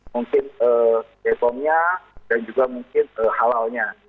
mungkin bepom nya dan juga mungkin halalnya